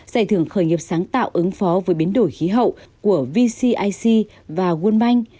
giải thưởng khởi nghiệp sáng tạo ứng phó với biến đổi khí hậu của vcic và world bank